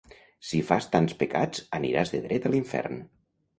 Si fas tants pecats aniràs de dret a l'infern!